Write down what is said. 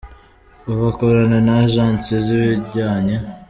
Ubu akorana na Agence z’ibijyanye.